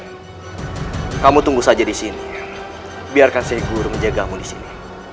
hai kamu tunggu saja di sini biarkan alegor menjaga aku disini